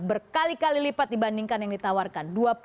berkali kali lipat dibandingkan yang ditawarkan